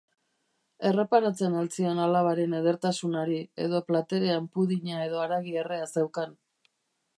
Erreparatzen al zion alabaren edertasunari, edo platerean pudding-a edo haragi errea zeukan?